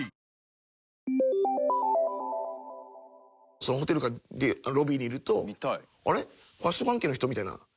そのホテルとかでロビーにいるとあれファッション関係の人？みたいな。